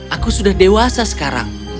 aku sudah dewasa sekarang